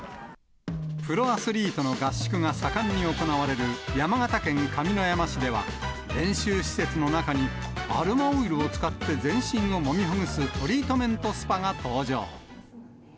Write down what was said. プロアスリートの合宿が盛んに行われる山形県上山市では、練習施設の中にアロマオイルを使って全身をもみほぐすトリートメントスパが登場。